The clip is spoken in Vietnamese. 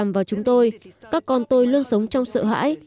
và chúng tôi các con tôi luôn sống trong sợ hãi